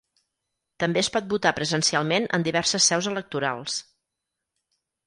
També es pot votar presencialment en diverses seus electorals.